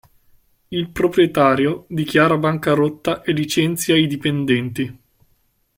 Il proprietario dichiara bancarotta e licenzia i dipendenti.